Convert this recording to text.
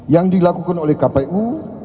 yang dilakukan oleh kpu